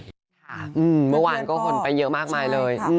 เมื่อวานก็คนไปเยอะมากมายเลย